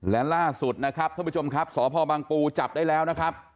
และล่าสุดนะครับท่านผู้ชมครับสพบังปูจับได้แล้วนะครับ